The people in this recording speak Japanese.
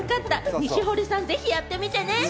西堀さん、ぜひやってみてね。